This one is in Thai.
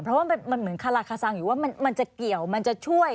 เพราะว่ามันเหมือนคาราคาซังอยู่ว่ามันจะเกี่ยวมันจะช่วย